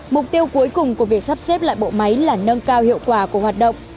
mục tiêu cuối cùng của việc sắp xếp lại bộ máy là nâng cao hiệu quả của hoạt động